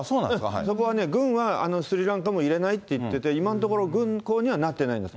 そこはね、軍はスリランカも入れないって言ってて、今のところは軍港にはなってないんです。